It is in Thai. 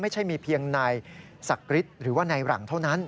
ไม่ใช่มีเพียงในสักฤทธิ์หรือว่าในหลังเท่านั้น